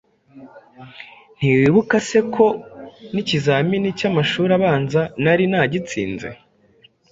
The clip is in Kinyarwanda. Ntiwibuka se ko n’ikizamini cy’Amashuri Abanza nari nagitsinze,